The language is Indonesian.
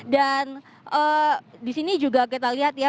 dan di sini juga kita lihat ya